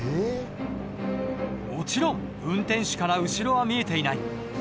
もちろん運転手から後ろは見えていない。